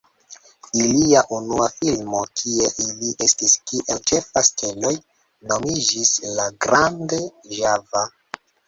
Ilia unua filmo, kie ili estis kiel ĉefaj steloj, nomiĝis "La Grande Java".